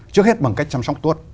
trước hết bằng cách chăm sóc tuốt